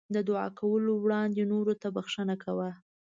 د دعا کولو وړاندې نورو ته بښنه کوه.